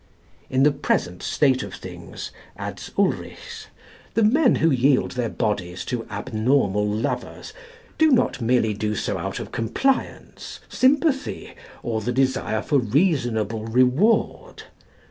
In the present state of things, adds Ulrichs, the men who yield their bodies to abnormal lovers, do not merely do so out of compliance, sympathy, or the desire for reasonable reward.